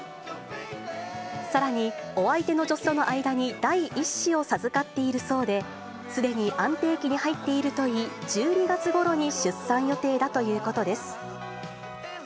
さらに、お相手の女性との間に第１子を授かっているそうで、すでに安定期に入っているといい、１２月ごろに出産予定だということです。